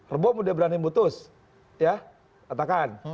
rebom udah berani memutus ya katakan